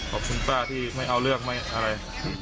ขอบคุณป้าที่ไม่เอาเรื่องไม่อะไร